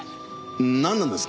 なんなんですか？